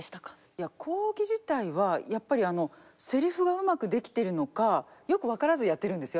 いや講義自体はやっぱりあのセリフがうまく出来てるのかよく分からずやってるんですよ